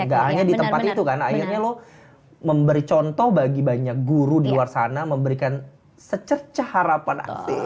gak hanya di tempat itu kan akhirnya lo memberi contoh bagi banyak guru di luar sana memberikan secerca harapan aktif